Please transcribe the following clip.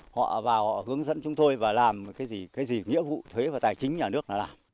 họ vào họ hướng dẫn chúng tôi và làm cái gì cái gì nghĩa vụ thuế và tài chính nhà nước là làm